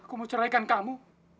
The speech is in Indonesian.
aku mau ceraikan kamu